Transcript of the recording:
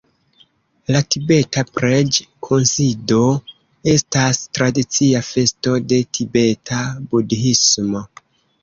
La tibeta preĝ-kunsido estas tradicia festo de tibeta budhismo.